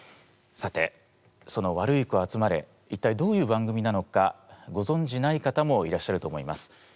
さてその「ワルイコあつまれ」一体どういう番組なのかごぞんじない方もいらっしゃると思います。